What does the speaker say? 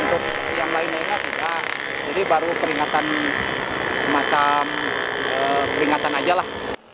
untuk yang lainnya sudah jadi baru peringatan semacam peringatan aja lah